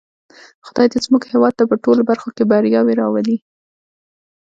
خدای دې زموږ هېواد ته په ټولو برخو کې بریاوې راولی.